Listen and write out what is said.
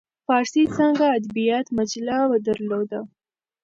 فارسي څانګه ادبیات مجله درلوده.